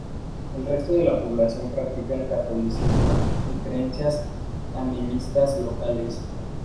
El resto de la población practica el catolicismo y creencias animistas locales.